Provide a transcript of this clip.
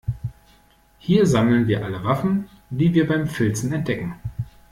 Hier sammeln wir alle Waffen, die wir beim Filzen entdecken.